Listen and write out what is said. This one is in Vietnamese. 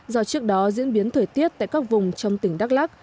do trước đó diễn biến thời tiết tại các vùng trong tỉnh đắk lắc